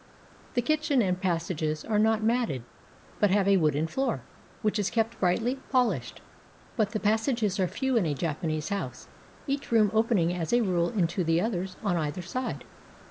The kitchen and passages are not matted, but have a wooden floor, which is kept brightly 414 A JAPANESE HOUSE polished. But the passages are few in a Japanese house, each room opening as a rule into the others on either side.